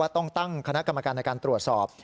ต้องตั้งคณะกรรมการในการตรวจสอบ